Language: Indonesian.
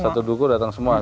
satu duku datang semua